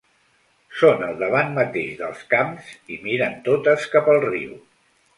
Són al davant mateix dels camps i miren totes cap al riu.